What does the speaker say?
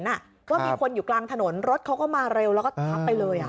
ก็มีคนอยู่กลางถนนรถเขาก็มาเร็วแล้วก็ทับไปเลย